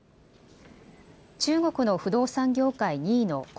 中国の不動産業界２位の恒